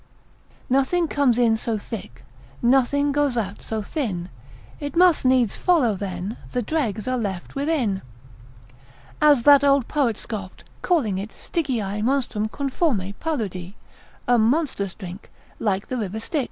Nothing comes in so thick, Nothing goes out so thin, It must needs follow then The dregs are left within. As that old poet scoffed, calling it Stygiae monstrum conforme paludi, a monstrous drink, like the river Styx.